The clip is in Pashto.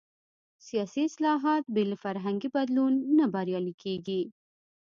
سیاسي اصلاحات بې له فرهنګي بدلون نه بریالي کېږي.